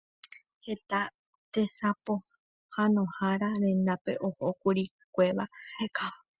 Heta tesapohãnohára rendápe ohókuri kuera rekávo.